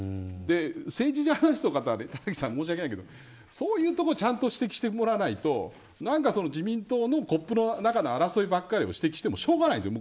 政治の話で田崎さん、申し訳ないけどそういうところをちゃんと指摘してもらわないと自民党のコップの中の争いばかりを指摘してもしょうがないんです。